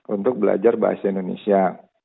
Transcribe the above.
untuk belajar bahasa indonesia